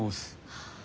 はあ。